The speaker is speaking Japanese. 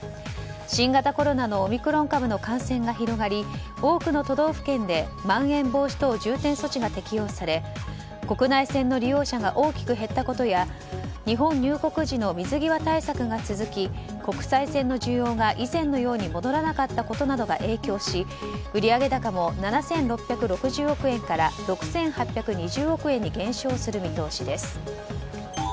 新型コロナのオミクロン株の感染が広がり多くの都道府県でまん延防止等重点措置が適用され国内線の利用者が大きく減ったことや日本入国時の水際対策が続き国際線の需要が以前のように戻らなかったことなどが影響し売上高も７６６０億円から６８２０億円に減少する見通しです。